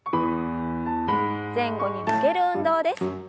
前後に曲げる運動です。